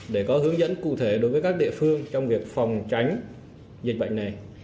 để có hướng dẫn cụ thể đối với các địa phương trong việc phòng tránh dịch bệnh này